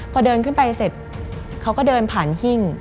พอเดินขึ้นไปเสร็จเขาก็เดินผ่านหิ้ง